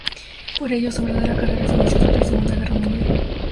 Por ello su verdadera carrera se inició tras la Segunda Guerra Mundial.